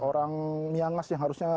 orang miangas yang harusnya